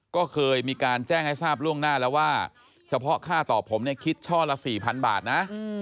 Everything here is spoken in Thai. ก็เคยมีการแจ้งให้ทราบล่วงหน้าแล้วว่าเฉพาะค่าต่อผมเนี่ยคิดช่อละ๔๐๐บาทนะ